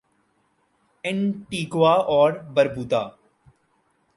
Antigua اور باربودا